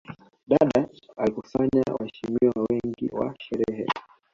Dada alikusanya waheshimiwa wengi wa sherehe